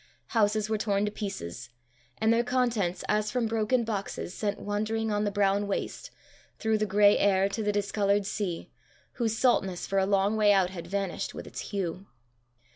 Houses were torn to pieces, and their contents, as from broken boxes, sent wandering on the brown waste, through the grey air, to the discoloured sea, whose saltness for a long way out had vanished with its hue.